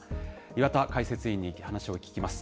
岩田解説委員に話を聞きます。